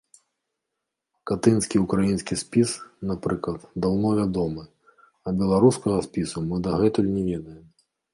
Катынскі ўкраінскі спіс, напрыклад, даўно вядомы, а беларускага спісу мы дагэтуль не ведаем.